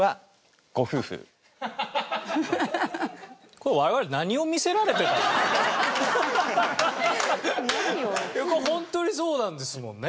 これホントにそうなんですもんね。